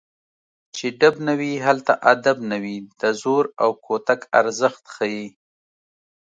چې ډب نه وي هلته ادب نه وي د زور او کوتک ارزښت ښيي